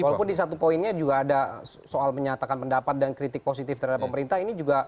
walaupun di satu poinnya juga ada soal menyatakan pendapat dan kritik positif terhadap pemerintah ini juga